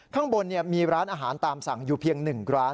ข้างบนมีร้านอาหารตามสั่งอยู่เพียง๑ร้าน